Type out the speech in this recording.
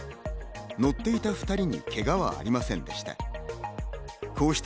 乗っていた２人にけがはありませんでした。